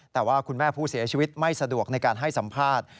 แต่ว่าคุณแม่ผู้เสียชีวิตไม่สะดวกในการให้สัมภาษณ์